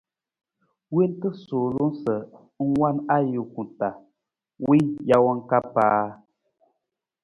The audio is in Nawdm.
Wonta suulung sa a wan ajuku taa wii jawang ka paa.